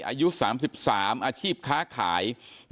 อายุ๓๓อาชีพค้าขาย